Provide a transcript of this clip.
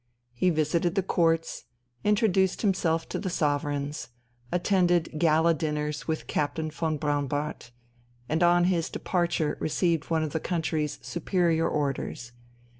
He visited the courts, introduced himself to the sovereigns, attended gala dinners with Captain von Braunbart, and on his departure received one of the country's superior Orders.